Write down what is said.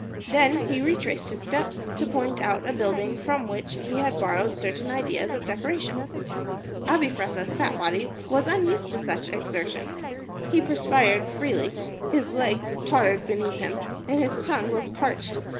Then he retraced his steps to point out a building from which he had borrowed certain ideas of decoration. Abi Fressah's fat body was unused to such exertion. He perspired freely, his legs tottered beneath him, and his tongue was parched.